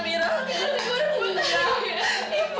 biar ibu yang bersihin amira